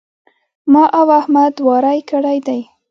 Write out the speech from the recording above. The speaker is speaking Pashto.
ما او احمد واری کړی دی.